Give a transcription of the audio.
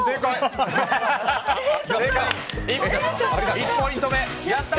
１ポイント目。